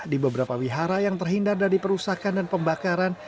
di beberapa wihara yang terhindar dari perusakan dan pembakaran